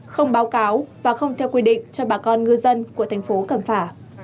không báo cáo và không theo quy định cho bà con ngư dân của thành phố cẩm phả